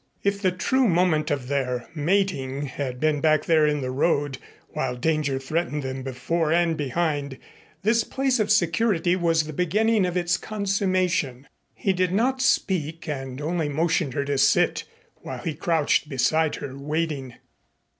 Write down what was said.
If the true moment of their mating had been back there in the road while danger threatened them before and behind, this place of security was the beginning of its consummation. He did not speak and only motioned her to sit while he crouched beside her, waiting.